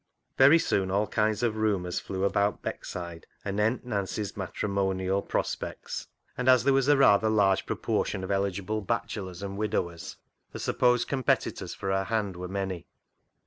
Very soon all kinds of rumours flew about " HANGING HIS HAT UP" 63 Beckside anent Nancy's matrimonial prospects, and as there was a rather large proportion of eligible bachelors and widowers, the supposed competitors for her hand were many.